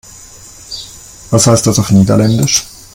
Was heißt das auf Niederländisch?